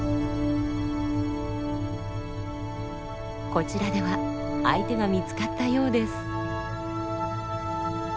こちらでは相手が見つかったようです。